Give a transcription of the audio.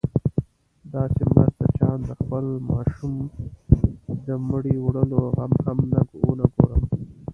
داسې مرسته چې آن د خپل ماشوم د مړي وړلو غم هم ونه ګورم.